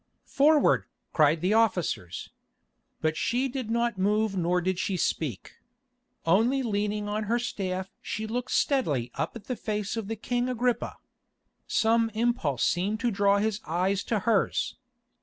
"Forward!" cried the officers. But she did not move nor did she speak. Only leaning on her staff she looked steadily up at the face of the king Agrippa. Some impulse seemed to draw his eyes to hers.